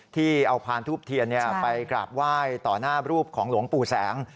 ที่เอาพานทูบเทียนไปกราบไหว้ต่อหน้ารูปของหลวงปู่แสง